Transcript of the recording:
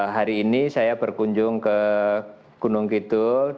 hari ini saya berkunjung ke gunung kidul